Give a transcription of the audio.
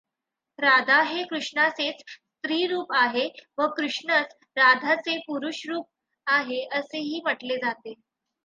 राधा हे कृष्णाचेच स्त्रीरूप आहे व कृष्णच राधेचे पुरुषरूप आहे असेही म्हटले जाते.